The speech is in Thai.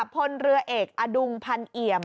พลเรือเอกอดุงพันเอี่ยม